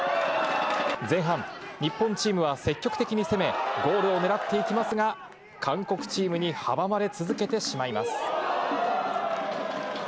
前半、日本チームは積極的に攻め、ゴールを狙っていきますが、韓国チームに阻まれ続けてしまいます。